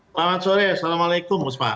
selamat sore assalamu'alaikum bu sma